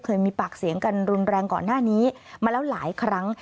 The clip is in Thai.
เคยมีปากเสียงกันรุนแรงก่อนหน้านี้มาแล้วหลายครั้ง